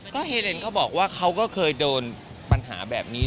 ก็เฮเลนเขาบอกว่าเขาก็เคยโดนปัญหาแบบนี้